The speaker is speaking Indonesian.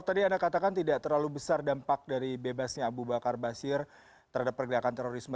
tadi anda katakan tidak terlalu besar dampak dari bebasnya abu bakar basir terhadap pergerakan terorisme